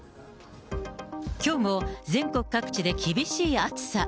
きょうも全国各地で厳しい暑さ。